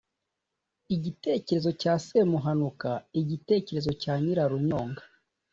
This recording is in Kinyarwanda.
igitekerezo cya semuhanuka - igitekerezo cya nyirarunyonga